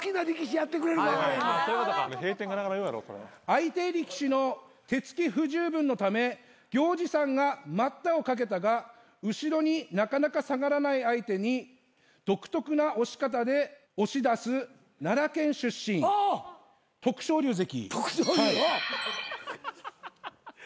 相手力士の手つき不十分のため行司さんが待ったをかけたが後ろになかなか下がらない相手に独特な押し方で押し出す奈良県出身徳勝龍関。